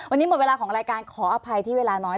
วันนี้หมดเวลาของรายการขออภัยที่เวลาน้อย